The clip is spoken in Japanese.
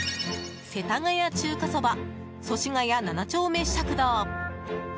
世田谷中華そば祖師谷七丁目食堂。